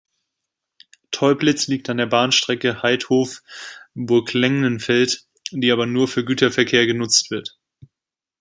Teublitz liegt an der Bahnstrecke Haidhof–Burglengenfeld, die aber nur für Güterverkehr genutzt wird.